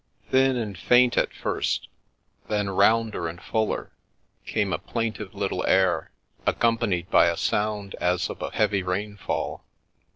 Thin and faint at first, then rounder and fuller, came a plaintive little air, accompanied by a sound as of a heavy rainfall.